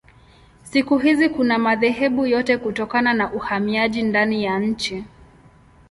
Siku hizi kuna madhehebu yote kutokana na uhamiaji ndani ya nchi.